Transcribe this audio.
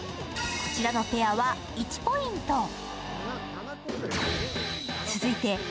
こちらのペアは１ポイント。